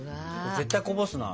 絶対こぼすな。